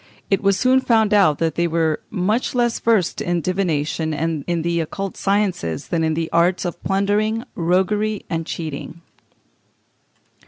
It was soon found out that they were much less versed in divination and in the occult sciences than in the arts of plundering, roguery, and cheating.